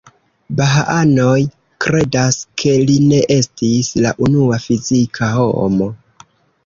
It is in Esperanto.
Bahaanoj kredas ke li ne estis la unua fizika homo.